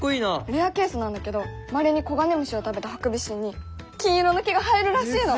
レアケースなんだけどまれに黄金虫を食べたハクビシンに金色の毛が生えるらしいの！